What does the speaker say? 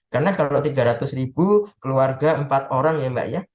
karena kalau tiga ratus ribu keluarga empat orang ya mbak ya